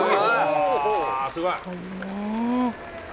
すごいねー。